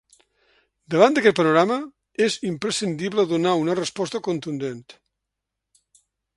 Davant d’aquest panorama, és imprescindible donar una resposta contundent.